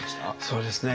そうですね